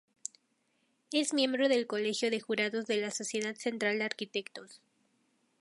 Es miembro del Colegio de Jurados de la Sociedad Central de Arquitectos.